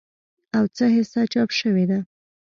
او څه حصه چاپ شوې ده